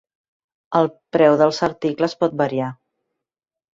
El preu dels articles pot variar.